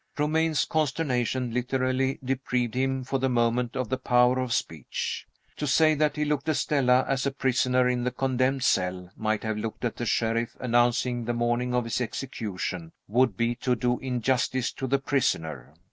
Romayne's consternation literally deprived him, for the moment, of the power of speech. To say that he looked at Stella, as a prisoner in "the condemned cell" might have looked at the sheriff, announcing the morning of his execution, would be to do injustice to the prisoner.